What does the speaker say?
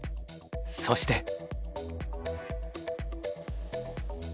そして。